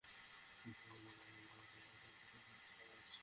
এক সময় এই বাড়িটা বেওয়্যার্স বিল্ডিং হিসেবে পরিচিত ছিল।